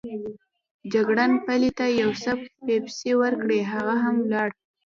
جګړن پلي ته یو څه پسپسې وکړې، هغه هم ولاړ.